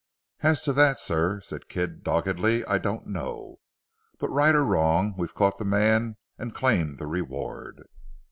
"As to that sir," said Kidd doggedly, "I don't know. But right or wrong we've caught the man and claim the reward."